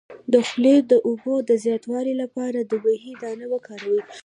د خولې د اوبو د زیاتوالي لپاره د بهي دانه وکاروئ